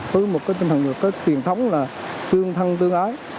từ một trinh thần truyền thống là tương thân tương ái